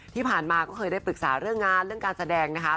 ที่ผ่านมาก็เคยได้ปรึกษาเรื่องงานเรื่องการแสดงนะคะ